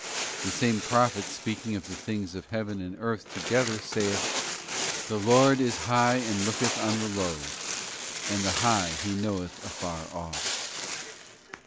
The same Prophet speaking of the things of heaven and earth together, saith, 'The Lord is high and looketh on the low, and the high he knoweth afar off.